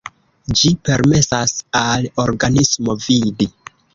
Ĝi permesas al organismo vidi.